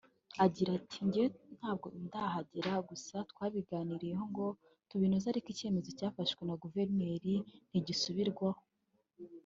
Agira ati “Njye ntabwo ndahagera gusa twabiganiyeho ngo tubinoze ariko icyemezo cyafashwe na Guverioneri ntigisubirwaho